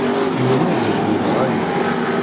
Yiwen ur d-yeddi d rray-iw.